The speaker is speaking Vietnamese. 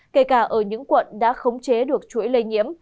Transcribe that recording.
kể cả ở những quận đã khống chế được chuỗi lây nhiễm